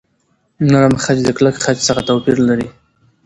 نرم خج د کلک خج څخه توپیر لري.